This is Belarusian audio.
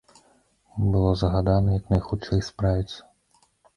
Было загадана, як найхутчэй справіцца.